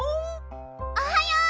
おはよう！